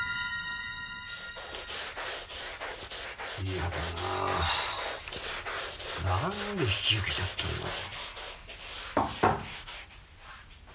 嫌だな何で引き受けちゃったんだろ？